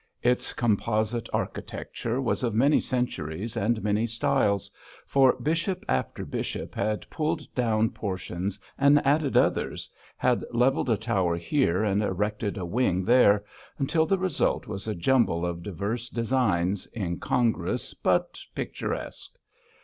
Its composite architecture was of many centuries and many styles, for bishop after bishop had pulled down portions and added others, had levelled a tower here and erected a wing there, until the result was a jumble of divers designs, incongruous but picturesque.